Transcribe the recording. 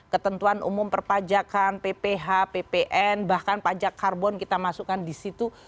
ketentuan umum perpajakan pph ppn bahkan pajak karbon kita masukkan di situ